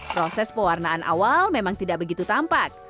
proses pewarnaan awal memang tidak begitu tampak